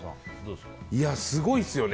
すごいですよね。